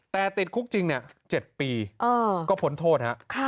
แต่ติดคุกจริง๗ปีก็พ้นโทษฮะ